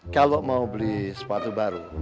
kalau mau beli sepatu baru